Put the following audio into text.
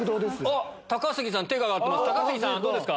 あっ高杉さん手が挙がってます